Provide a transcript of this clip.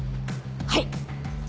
はい！